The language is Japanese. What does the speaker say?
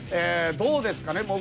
どうですかね？